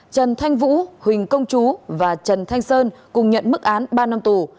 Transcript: trần thanh vũ huỳnh công chú và trần thanh sơn cùng nhận mức án ba năm tù